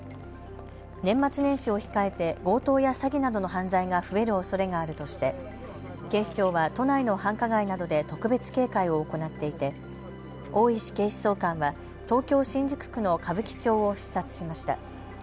年末年始を控えて強盗や詐欺などの犯罪が増えるおそれがあるとして警視庁は都内の繁華街などで特別警戒を行っていて大石警視総監は東京新宿区の歌舞伎町を視察しました。